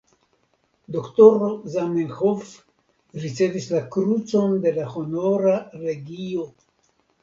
Doktoro Zamenhof ricevis la krucon de la Honora legio.